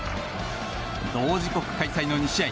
同時刻開催の２試合。